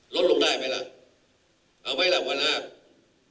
รถลงได้ไหมล่ะเอาไว้ล่ะคุณนาฬ